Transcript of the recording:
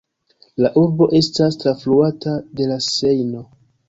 La urbo estas trafluata de la Sejno.